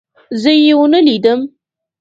زه يې ونه لیدم.